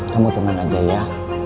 kamu tenang aja ya